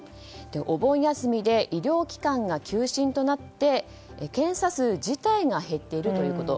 お盆休みで医療機関が休診となって検査数自体が減っているということ。